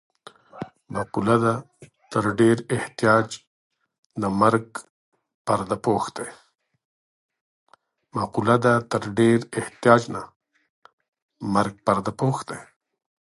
مقوله ده: تر ډېر احتیاج نه مرګ پرده پوښ دی.